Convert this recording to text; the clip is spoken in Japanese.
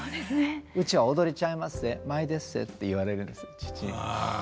「うちは踊りちゃいまっせ舞でっせ」って言われるんです父に。